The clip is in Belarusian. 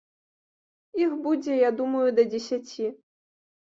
Іх будзе, я думаю, да дзесяці.